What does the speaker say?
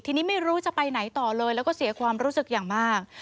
ทีนี้ไม่รู้จะไปไหนต่อเลยแล้วก็เสียความรู้สึกอย่างมาก